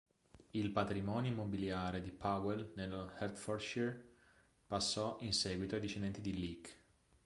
Il patrimonio immobiliare di Powell nello Hertfordshire passò in seguito ai discendenti di Leake.